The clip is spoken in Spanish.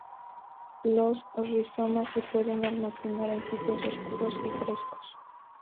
Los rizomas se pueden almacenar en sitios oscuros y frescos.